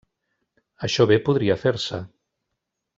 Això bé podria fer-se.